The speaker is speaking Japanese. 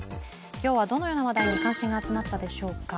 今日はどのような話題に関心が集まったでしょうか。